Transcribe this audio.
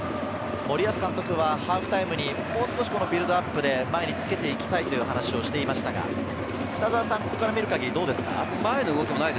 森保監督はハーフタイムにもう少しビルドアップで前につけていきたいと話していましたが、ここから見る限りどうですか？